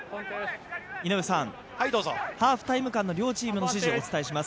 ◆井上さん、ハーフタイム間の両チームの指示をお伝えします。